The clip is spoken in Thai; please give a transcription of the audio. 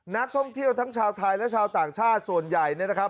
นักท่องเที่ยวทั้งชาวไทยและชาวต่างชาติส่วนใหญ่เนี่ยนะครับ